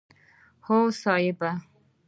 هو صيب!